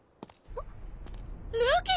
あっ？